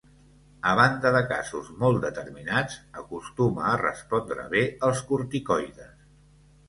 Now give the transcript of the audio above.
A banda de casos molt determinats, acostuma a respondre bé als corticoides.